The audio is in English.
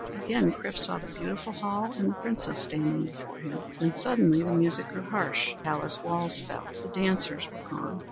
'" Again Chrif saw the beautiful hall and the Princess standing before him. Then, suddenly, the music grew harsh; the palace walls fell; the dancers were gone.